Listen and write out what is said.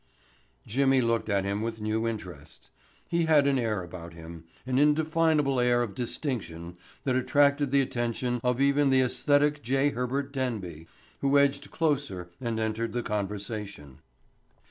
Jimmy looked at him with new interest. He had an air about him, an indefinable air of distinction that attracted the attention of even the aesthetic J. Herbert Denby, who edged closer and entered the conversation.